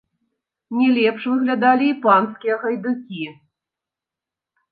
Не лепш выглядалі і панскія гайдукі.